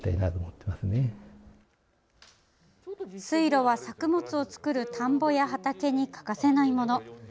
水路は、作物を作る田んぼや畑に欠かせないもの。